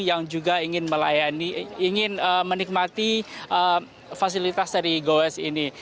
yang juga ingin menikmati fasilitas dari goes ini